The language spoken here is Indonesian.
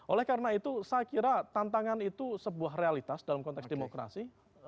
oleh karena itu saya kira tantangan itu sebuah realitas dalam konteks demokrasi